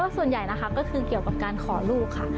ส่วนใหญ่นะคะก็คือเกี่ยวกับการขอลูกค่ะ